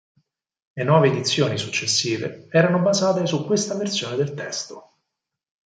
Le nuove edizioni successive erano basate su questa versione del testo.